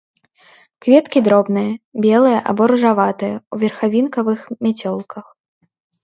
Кветкі дробныя, белыя або ружаватыя, у верхавінкавых мяцёлках.